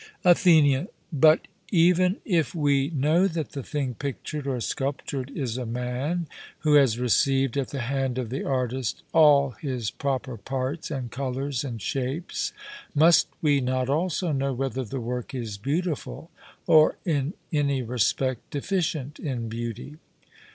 ATHENIAN: But even if we know that the thing pictured or sculptured is a man, who has received at the hand of the artist all his proper parts and colours and shapes, must we not also know whether the work is beautiful or in any respect deficient in beauty?